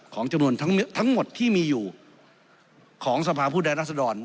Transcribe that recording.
ของจำนวนทั้งหมดที่มีอยู่ของสภาพผู้แทนรัศดร